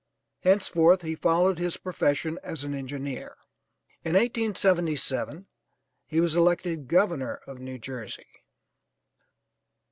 Henceforth he followed his profession as an engineer. In 1877 he was elected Governor of New Jersey.